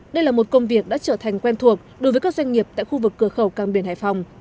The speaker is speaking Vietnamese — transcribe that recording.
đây là một công việc đã trở thành quen thuộc đối với các doanh nghiệp tại khu vực cửa khẩu càng biển hải phòng